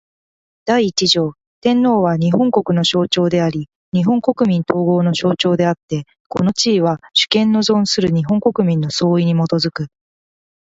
第一条天皇は、日本国の象徴であり日本国民統合の象徴であつて、この地位は、主権の存する日本国民の総意に基く。